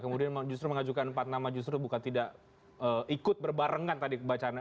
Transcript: kemudian justru mengajukan empat nama justru bukan tidak ikut berbarengan tadi bacaannya